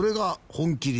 本麒麟